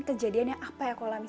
kejadiannya apa yang aku lakukan